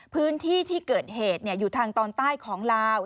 พื้นที่ที่เกิดเหตุอยู่ทางตอนใต้ของลาว